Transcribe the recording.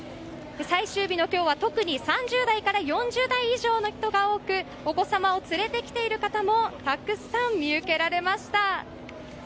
最終日の今日は特に３０代から４０代以上の人が多くお子様を連れてきている人もたくさん見受けられました。